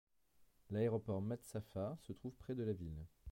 L'aéroport Matsapha se trouve près de la ville.